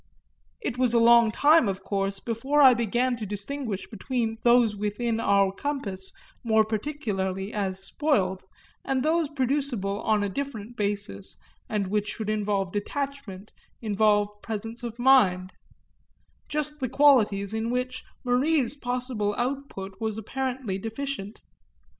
It was a long time of course before I began to distinguish between those within our compass more particularly as spoiled and those producible on a different basis and which should involve detachment, involve presence of mind; just the qualities in which Marie's possible output was apparently deficient.